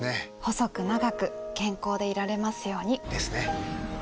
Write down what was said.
細く長く健康でいられますように。ですね。